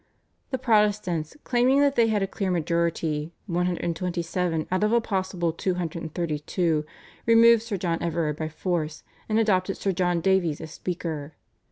The Protestants, claiming that they had a clear majority, one hundred and twenty seven out of a possible two hundred and thirty two, removed Sir John Everard by force, and adopted Sir John Davies as speaker.